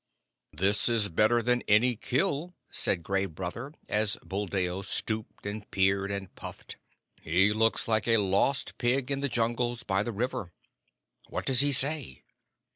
] "This is better than any kill," said Gray Brother, as Buldeo stooped and peered and puffed. "He looks like a lost pig in the Jungles by the river. What does he say?"